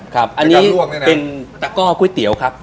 ครับอันนี้เป็นตะก้อก๋วยเตี๋ยวครับ